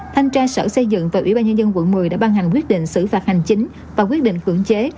thanh tra sở xây dựng và ủy ban nhân dân quận một mươi đã ban hành quyết định xử phạt hành chính và quyết định cưỡng chế